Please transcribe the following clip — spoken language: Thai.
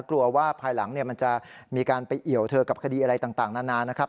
กลัวว่าภายหลังมันจะมีการไปเอี่ยวเธอกับคดีอะไรต่างนานานะครับ